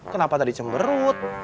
kenapa tadi cemberut